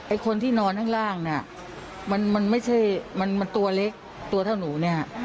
ไอคนที่นอนข้างล่างน่ะมันมันมันตัวเล็กตัวเท่าหนูนะ